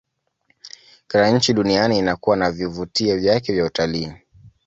kila nchi duniani inakuwa na vivutio vyake vya utaliii